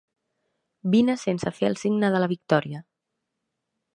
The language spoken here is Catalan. Vine sense fer el signe de la victòria.